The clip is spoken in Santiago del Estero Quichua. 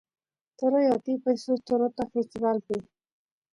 toroy atipay suk torota festivalpi